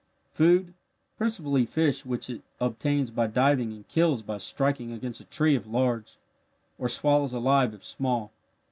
Food principally fish which it obtains by diving and kills by striking against a tree if large, or swallows alive if small.